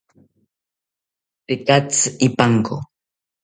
Tekatzi ipanko